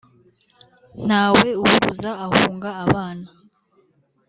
Ntawe uhuruza ahunga abana